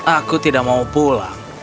aku tidak mau pulang